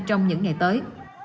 trong những ngày tới